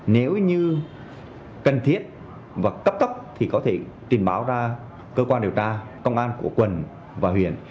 nếu như cần thiết và cấp tốc thì có thể trình báo ra cơ quan điều tra công an của quận và huyện